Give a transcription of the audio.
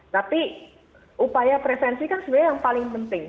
tapi upaya prevensi kan sebenarnya yang paling penting